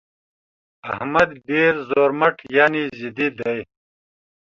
احمد ډېر زورمټ يانې ضدي دى.